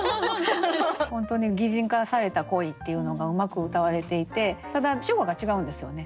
本当に擬人化された恋っていうのがうまくうたわれていてただ主語が違うんですよね。